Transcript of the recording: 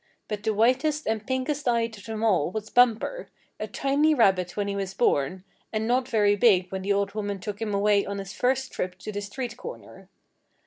But the whitest and pinkest eyed of them all was Bumper, a tiny rabbit when he was born, and not very big when the old woman took him away on his first trip to the street corner.